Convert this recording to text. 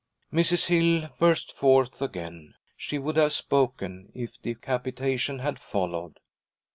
Mrs. Hill burst forth again. She would have spoken if decapitation had followed.